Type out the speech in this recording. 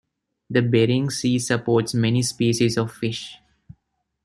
The Bering Sea supports many species of fish.